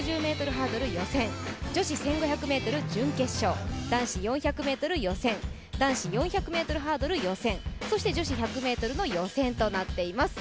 女子１５００ｍ準決勝、男子４００ｍ予選、男子４００ｍハードル予選、そして女子１００ｍの予選となっています。